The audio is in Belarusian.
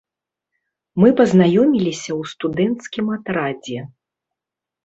Мы пазнаёміліся ў студэнцкім атрадзе.